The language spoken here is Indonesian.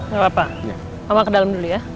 gak apa apa sama ke dalam dulu ya